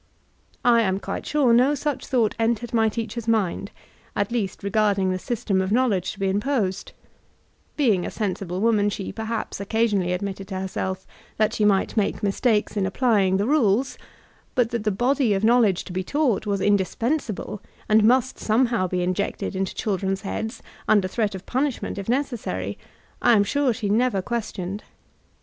I am quite sure no such thought entered my teacher's mind, — ^at least regarding the system of knowledge to be imposed ; being a sensible woman, she perhaps occasionally admitted to herself that she might make mistakes in applying the rules, but that the body of knowledge to be taught was indispensable, and must some how be injected into children's heads, under threat of punishment, if necessary, I am sure she never questioned.